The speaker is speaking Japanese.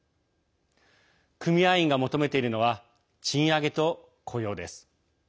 組合員が求めているのは賃上げと雇用です。